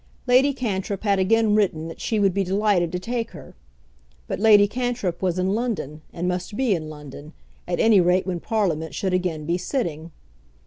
Lady Cantrip had again written that she would be delighted to take her; but Lady Cantrip was in London and must be in London, at any rate when Parliament should again be sitting.